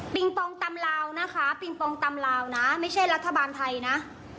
ปองตำลาวนะคะปิงปองตำลาวนะไม่ใช่รัฐบาลไทยนะ